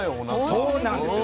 そうなんです。